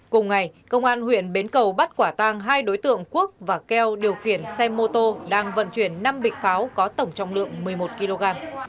cùng ngày công an huyện bến cầu bắt quả tang hai đối tượng quốc và keo điều khiển xe mô tô đang vận chuyển năm bịch pháo có tổng trọng lượng một mươi một kg